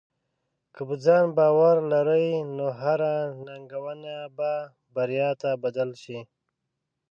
که په ځان باور لرې، نو هره ننګونه به بریا ته بدل شې.